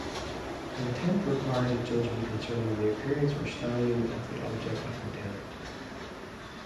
Contempt requires a judgment concerning the appearance or standing of the object of contempt.